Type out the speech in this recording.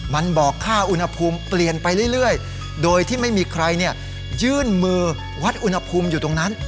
มันบอกค่าอุณหภูมิเปลี่ยนไปเรื่อยโดยที่ไม่มีใครยื่นมือวัดอุณหภูมิอยู่ตรงนั้น